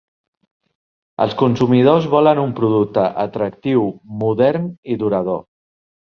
Els consumidors volen un producte atractiu, modern i durador.